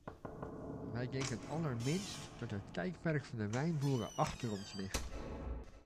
Wij denken allerminst dat het tijdperk van de wijnboeren achter ons ligt.